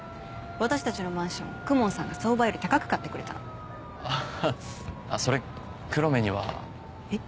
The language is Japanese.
私たちのマンション公文さんが相場より高く買ってくれたのあっそれ黒目にはえっ？